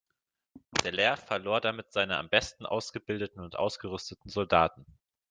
Dallaire verlor damit seine am besten ausgebildeten und ausgerüsteten Soldaten.